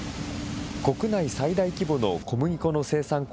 国内最大規模の小麦粉の生産